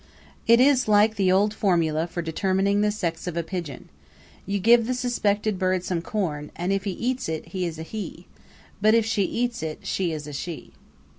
It is like the old formula for determining the sex of a pigeon you give the suspected bird some corn, and if he eats it he is a he; but if she eats it she is a she.